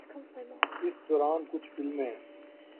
اس دوران کچھ فلمیں